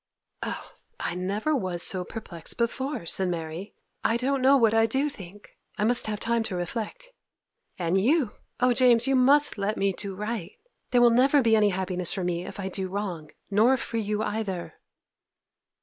'Oh, I never was so perplexed before!' said Mary. 'I don't know what I do think. I must have time to reflect. And you, oh, James! you must let me do right. There will never be any happiness for me if I do wrong—nor for you either.